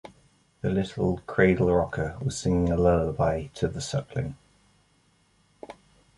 The little cradle-rocker was singing a lullaby to the suckling.